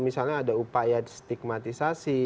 misalnya ada upaya stigmatisasi